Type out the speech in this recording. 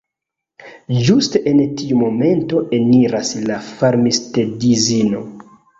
Ĝuste en tiu momento eniras la farmistedzino.